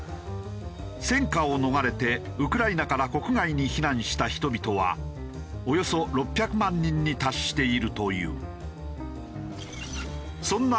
戦禍を逃れてウクライナから国外に避難した人々はおよそ６００万人に達しているという。